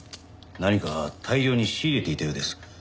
何か大量に仕入れていたようです。